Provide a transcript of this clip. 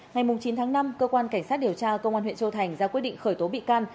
ngày chín tháng năm cơ quan cảnh sát điều tra công an huyện châu thành ra quyết định khởi tố bị can